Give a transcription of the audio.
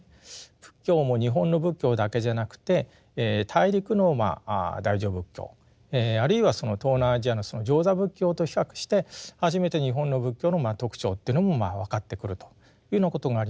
仏教も日本の仏教だけじゃなくて大陸の大乗仏教あるいは東南アジアの上座部仏教と比較して初めて日本の仏教の特徴というのも分かってくるというようなことがありまして。